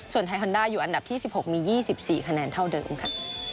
ส่วนไทยฮอนด้าอยู่อันดับที่๑๖มี๒๔คะแนนเท่าเดิมค่ะ